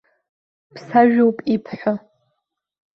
Ԥсажәоуп ибҳәо!